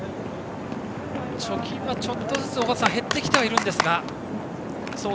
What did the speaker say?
貯金はちょっとずつ減ってきてはいるんですが。